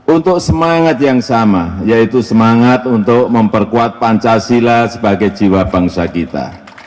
untuk semangat yang sama yaitu semangat untuk memperkuat pancasila sebagai jiwa bangsa kita